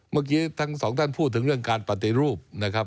เมื่อกี้ทั้งสองท่านพูดถึงเรื่องการปฏิรูปนะครับ